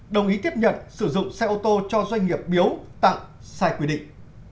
đồng ý tiếp nhận sử dụng xe ô tô cho doanh nghiệp biếu tặng sai quy định